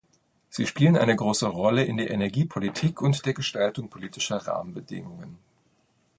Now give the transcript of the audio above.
Sie spielen eine große Rolle in der Energiepolitik und der Gestaltung politischer Rahmenbedingungen.